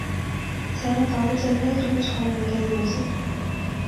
請糾正呢種錯誤嘅認識